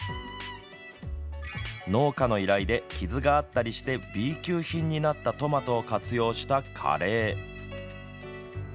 農家の依頼で傷があったりしてＢ級品になったトマトを活用したカレー。